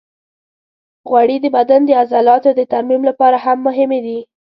غوړې د بدن د عضلاتو د ترمیم لپاره هم مهمې دي.